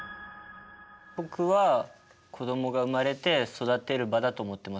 僕は子どもが生まれて育てる場だと思ってます。